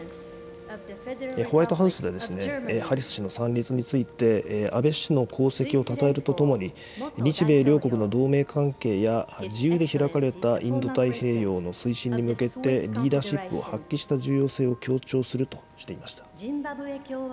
ホワイトハウスでハリス氏の参列について、安倍氏の功績をたたえるとともに、日米両国の同盟関係や自由で開かれたインド太平洋の推進に向けて、リーダーシップを発揮した重要性を強調するとしていました。